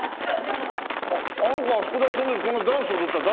あの子あそこで遊んでてこんなダンス踊ってて大丈夫？